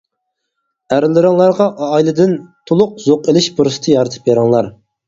ئەرلىرىڭلارغا ئائىلىدىن تولۇق زوق ئىلىش پۇرسىتى يارىتىپ بىرىڭلار.